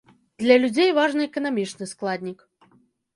Для людзей важны эканамічны складнік.